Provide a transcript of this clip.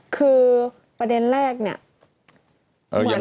คือประเด็นแรกเนี่ย